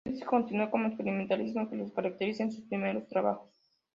Este disco continúa con el experimentalismo que los caracterizará en sus primeros trabajos.